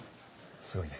すごいね。